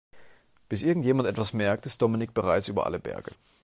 Bis irgendjemand etwas merkt, ist Dominik bereits über alle Berge.